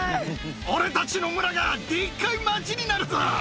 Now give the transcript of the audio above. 俺たちの村がでっかい街になるぞ。